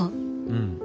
うん。